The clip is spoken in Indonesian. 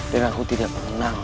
dan aku tidak pernah